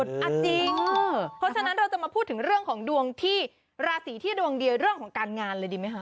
เพราะฉะนั้นเราจะมาพูดถึงเรื่องของดวงที่ราศีที่ดวงเดียวเรื่องของการงานเลยดีไหมคะ